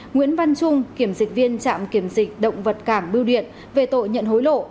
nguyễn văn trung kiểm dịch viên trạm kiểm dịch động vật cảng bưu điện về tội nhận hối lộ